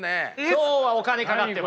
今日はお金かかってます。